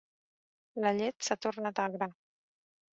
La llet s'ha tornat agra.